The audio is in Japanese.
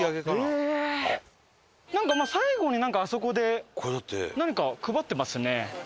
最後になんかあそこで何か配ってますね。